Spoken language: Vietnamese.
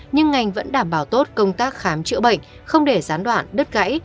nhưng ngành vẫn đảm bảo tốt công tác khám chữa bệnh không để gián đoạn đứt gãy